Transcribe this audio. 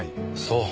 そう。